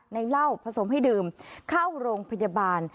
ในเหล้าผสมให้ดื่มเข้าโรงพยาบาล